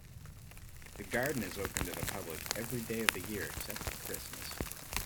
The garden is open to the public every day of the year except Christmas.